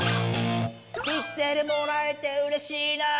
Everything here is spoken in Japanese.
「ピクセルもらえてうれしいな」